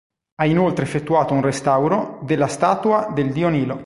Ha inoltre effettuato un restauro della statua del dio Nilo.